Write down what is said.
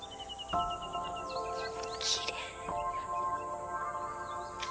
きれい。